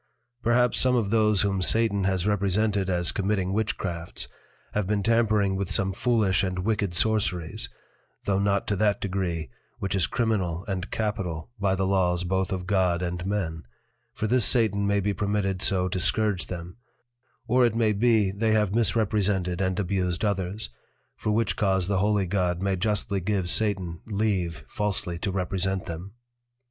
Perhaps some of those whom Satan has represented as committing Witchcrafts, have been tampering with some foolish and wicked Sorceries, tho' not to that degree, which is Criminal and Capital by the Laws both of God and Men; for this Satan may be permitted so to scourge them; or it may be, they have misrepresented and abused others, for which cause the Holy God may justly give Satan leave falsely to represent them.